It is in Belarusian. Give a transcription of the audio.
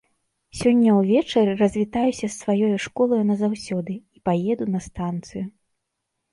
Сёння ўвечары развітаюся з сваёю школаю назаўсёды і паеду на станцыю.